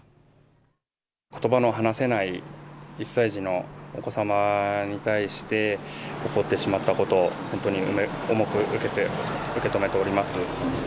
ことばの話せない１歳児のお子様に対して、起こってしまったこと、本当に重く受け止めております。